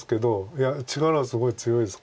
いや力はすごい強いですから。